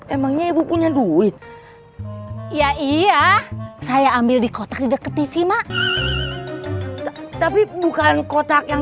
emangnya ibu punya duit ya iya saya ambil di kotak di dekat tv mak tapi bukan kotak yang